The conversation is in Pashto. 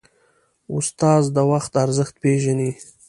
استاد د وخت ارزښت پېژني.